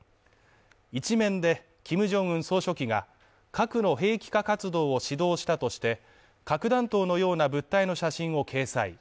１面でキム・ジョンウン総書記が核の兵器化活動を指導したとして核弾頭のような物体の写真を掲載。